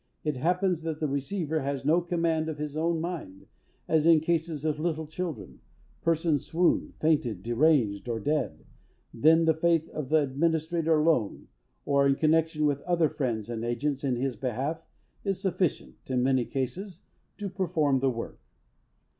it happens that the receiver has no command of his own mind as in cases of little children, persons swooned, fainted, deranged, or dead, then the faith of the administrator alone, or in connexion with other friends and agents, in his behalf, is sufficient, in many cases, to perform the work.